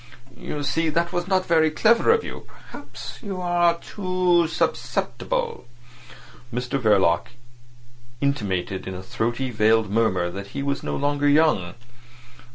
"You see, that was not very clever of you. Perhaps you are too susceptible." Mr Verloc intimated in a throaty, veiled murmur that he was no longer young.